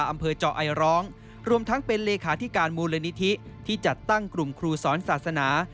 อำเภอเจาะไอร้องรวมทั้งเป็นเลขาธิการมูลนิธิที่จัดตั้งกลุ่มครูสอนศาสนา